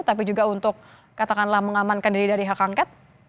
tapi juga untuk katakanlah mengamankan diri dari hak angket